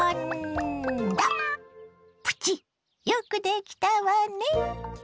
プチよくできたわね。